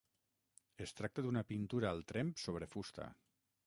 Es tracta d'una pintura al tremp sobre fusta.